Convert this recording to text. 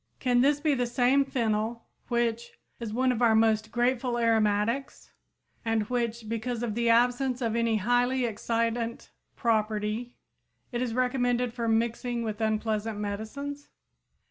Can this be the same fennel which "is one of our most grateful aromatics," and which, because of "the absence of any highly excitant property," is recommended for mixing with unpleasant medicines?